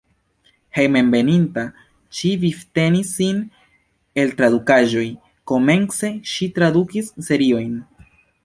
Hejmenveninta ŝi vivtenis sin el tradukaĵoj, komence ŝi tradukis seriojn.